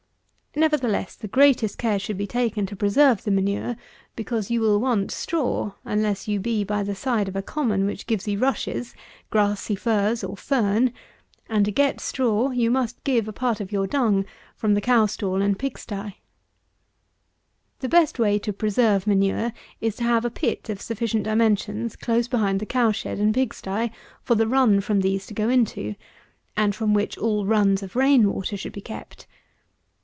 Nevertheless, the greatest care should be taken to preserve the manure; because you will want straw, unless you be by the side of a common which gives you rushes, grassy furze, or fern; and to get straw you must give a part of your dung from the cow stall and pig sty. The best way to preserve manure, is to have a pit of sufficient dimensions close behind the cow shed and pig sty, for the run from these to go into, and from which all runs of rain water should be kept.